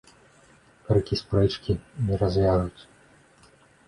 Крыкі спрэчкі не разьвяжуць